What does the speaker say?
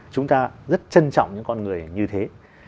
chúng ta rất trân trọng những con người như thế